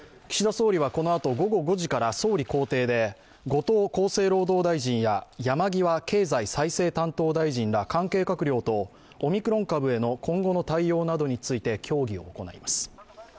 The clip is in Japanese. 岸田総理はこのあと午後５時から総理公邸で、後藤厚生労働大臣や山際経済再生担当大臣ら関係閣僚とオミクロン株への今後の対応などについて協議を行います。